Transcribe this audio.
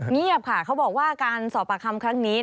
เงียบค่ะเขาบอกว่าการสอบปากคำครั้งนี้